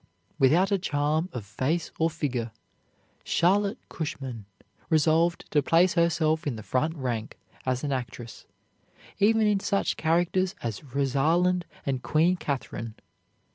Without a charm of face or figure, Charlotte Cushman resolved to place herself in the front rank as an actress, even in such characters as Rosalind and Queen Katherine.